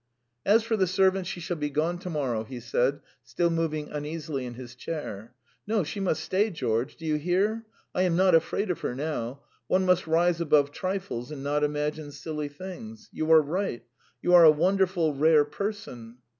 "As for the servant, she shall be gone to morrow," he said, still moving uneasily in his chair. "No, she must stay, George! Do you hear? I am not afraid of her now. ... One must rise above trifles and not imagine silly things. You are right! You are a wonderful, rare person!"